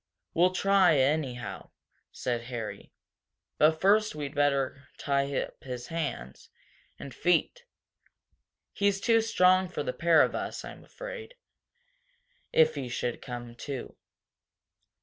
"We'll try it, anyhow," said Harry. "But first we'd better tie up his hands and feet. He's too strong for the pair of us, I'm afraid, if he should come to."